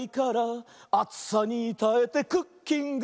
「あつさにたえてクッキング」